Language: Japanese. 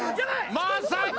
まさか！